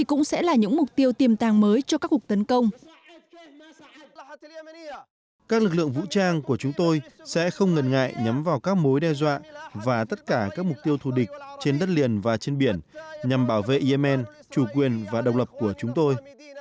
các lực lượng vũ trang của chúng tôi sẽ không ngần ngại nhắm vào các mối đe dọa và tất cả các mục tiêu thù địch trên đất liền và trên biển nhằm bảo vệ yemen chủ quyền và độc lập của chúng tôi